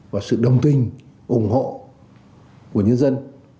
và sự đồng tình ủng hộ của nhân dân